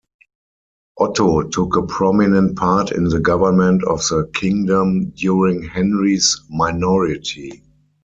Otto took a prominent part in the government of the kingdom during Henry's minority.